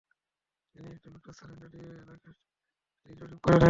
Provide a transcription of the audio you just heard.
তিনি একটি উঁচু স্থানে দাঁড়িয়ে এলাকাটি জরীপ করে নেন।